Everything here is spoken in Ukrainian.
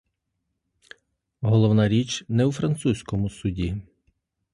Головна річ не у французькому суді.